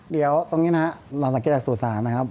เดี๋ยวตรงนี้นะฮะหลานลักษณ์คือกลับสู่สารนะครับ